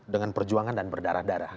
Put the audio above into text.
dengan perjuangan dan berdarah darah